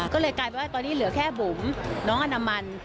ก็เลยกลายเป็นว่าตอนนี้เหลือแค่บุ๋มน้องอนามัน